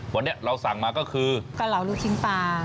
วันนี้เราสั่งมาก็คือเกาเหลาลูกชิ้นปลา